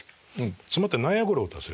詰まって内野ゴロを打たせる。